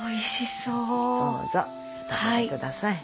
どうぞお食べください。